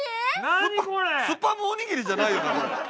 スパムおにぎりじゃないよな？